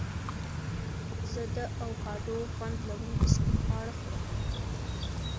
زه د اوکاډو خوند لرونکي سپک خواړه خوړم.